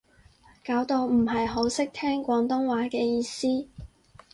搞到唔係好識聽廣東話嘅意思